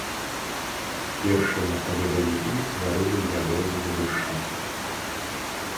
Першыя ледавікі стварылі ядро ўзвышша.